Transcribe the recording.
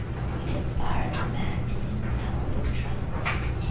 It inspires in man an infallible trust.